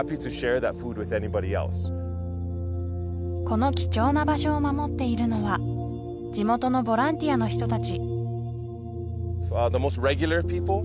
この貴重な場所を守っているのは地元のボランティアの人達